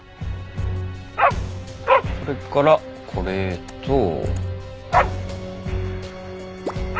それからこれと。